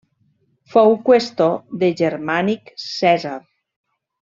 Fou qüestor de Germànic Cèsar.